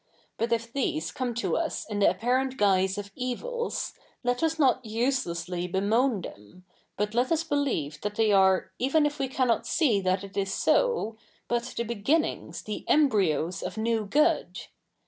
But if these come to us in the apparent guise of evils, let its not uselessly bemoari them ; but let us believe that they are, even if we can?wt see that it is so, but the beginnings, the embryos of ?iew good.